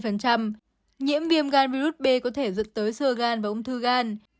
nhiễm viêm gan virus b có thể dẫn tới sơ gan và ung thư gan